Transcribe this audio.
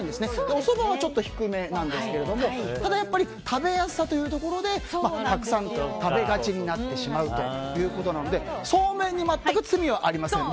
おそばはちょっと低めですがただ、やっぱり食べやすさというところでたくさん食べがちになってしまうということなのでそうめんに全く罪はありません。